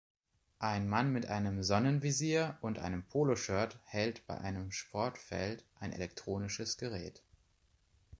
Ein Mann mit einem Sonnenvisier und einem Poloshirt hält bei einem Sportfeld ein elektronisches Gerät.